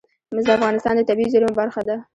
مس د افغانستان د طبیعي زیرمو برخه ده.